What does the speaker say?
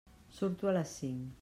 Surto a les cinc.